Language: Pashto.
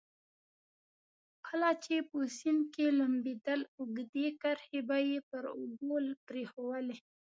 کله چې په سیند کې لمبېدل اوږدې کرښې به یې پر اوبو پرېښوولې.